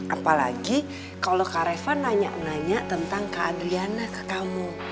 apalagi kalo kak reva nanya nanya tentang kak adriana ke kamu